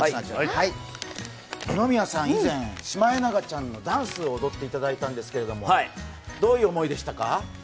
二宮さん、以前、シマエナガちゃんのダンスを踊ってもらいましたがどういう思いでしたか？